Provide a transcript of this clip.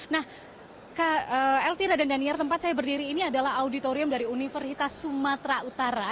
nah ke lti raden daniar tempat saya berdiri ini adalah auditorium dari universitas sumatra utara